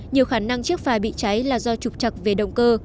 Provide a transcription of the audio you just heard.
nhiều khả năng chiếc phà bị cháy là do trục chặt về động cơ